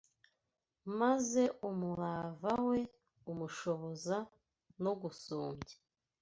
maze umurava we umushoboza no gusumbya